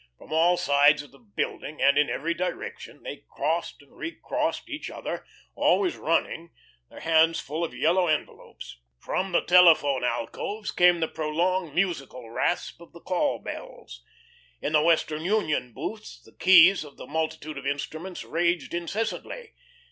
From all sides of the building, and in every direction they crossed and recrossed each other, always running, their hands full of yellow envelopes. From the telephone alcoves came the prolonged, musical rasp of the call bells. In the Western Union booths the keys of the multitude of instruments raged incessantly.